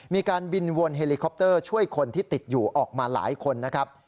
มีการบินวนเฮลิคอปเตอร์ช่วยคนที่ติดอยู่ออกมาหลายคนนะครับ